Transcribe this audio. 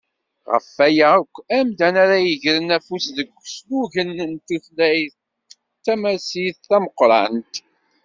Γef waya akk, amdan ara yegren afus deg uslugen n tutlayt d tamasit tameqqrant.